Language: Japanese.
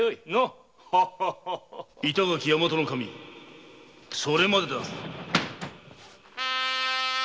板垣大和守それまでだ。